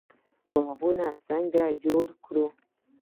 باغونه څنګه جوړ کړو؟